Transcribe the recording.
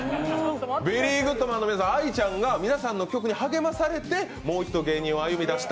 ベリーグッドマンの皆さん、愛ちゃんが皆さんの曲に励まされてもう一度芸人の道を歩み出した。